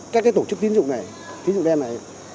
các tổ chức tiến dụng đen này